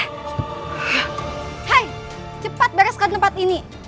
hei cepat bereskan tempat ini